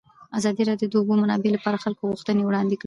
ازادي راډیو د د اوبو منابع لپاره د خلکو غوښتنې وړاندې کړي.